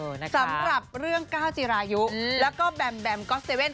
สำหรับเรื่องก้าวจีรายุแล้วก็แบมแบมก๊อสเว่น